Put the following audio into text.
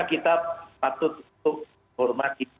kita patut untuk hormati